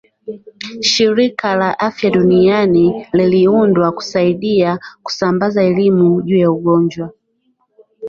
shirika la afya duniani liliundwa kusaidia kusambaza elimu juu ya ugonjwa